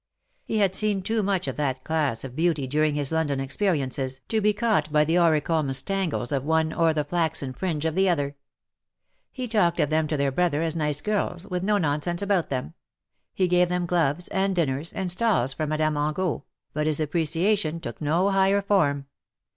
He had seen too much of that class of beauty during his London experiences, to be caught by the auri comous tangles of one or the flaxen fringe of the AVE DRAW NIGH THEE." 183 other. He talked of tbem to their brother as nice girls, with no nonsense about them ; he gave them gloves, and dinners, and stalls for ^' Madame Angot j^^ but his appreciation took no higher form.